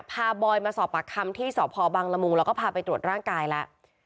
บอยมาสอบปากคำที่สพบังละมุงแล้วก็พาไปตรวจร่างกายแล้ว